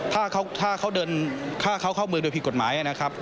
ถ้าเขาเดินฆ่าเขาเข้าเมืองโดยผิดกฎหมายนะครับ